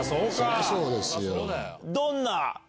そりゃそうですよ。